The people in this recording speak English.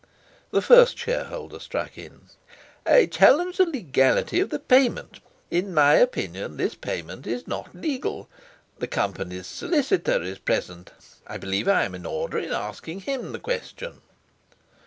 The first shareholder struck in: "I challenge the legality of the payment. In my opinion this payment is not legal. The Company's solicitor is present; I believe I am in order in asking him the question."